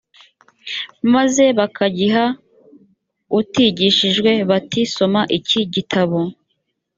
maze bakagiha utigishijwe bati soma iki gitabo